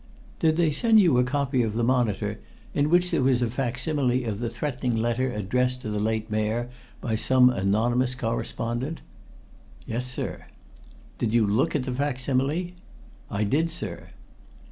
"Did they send you a copy of the Monitor in which there was a facsimile of the threatening letter addressed to the late Mayor by some anonymous correspondent?" "Yes, sir." "Did you look at the facsimile?" "I did, sir."